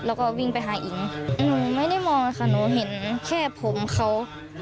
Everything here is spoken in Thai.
แล้วก็วิ่งไปหาอิ๋งหนูไม่ได้มองค่ะหนูเห็นแค่ผมเขา